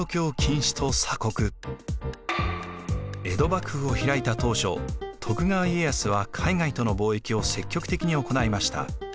江戸幕府を開いた当初徳川家康は海外との貿易を積極的に行いました。